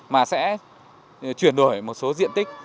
mà sẽ chuyển đổi một số diện tích